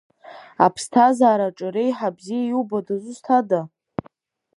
Аԥсҭазаараҿы реиҳа бзиа иубо дызусҭада?